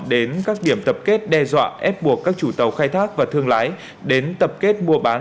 đến các điểm tập kết đe dọa ép buộc các chủ tàu khai thác và thương lái đến tập kết mua bán